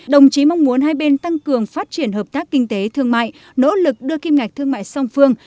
đồng chí mong muốn hai bên tăng cường phát triển hợp tác kinh tế thương mại nỗ lực đưa kim ngạch thương mại song phương